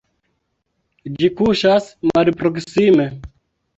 Ĝi kuŝas malproksime.